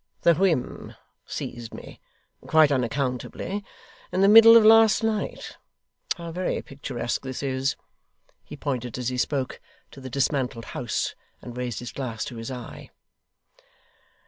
The whim seized me, quite unaccountably, in the middle of last night. How very picturesque this is!' He pointed, as he spoke, to the dismantled house, and raised his glass to his eye.